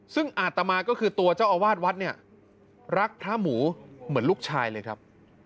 ซึ่งอาตมาก็คือตัวเจ้าอาวาสวัดเนี่ยรักพระหมูเหมือนลูกชายเลยครับ